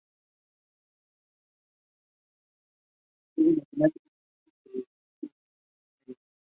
Fue profesor de matemáticas y física en centros de enseñanza media.